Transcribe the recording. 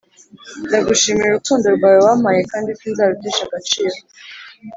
Ndagushimira urukundo rwawe wampaye kandi sinzarutesha agaciro